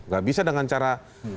gak bisa dengan cara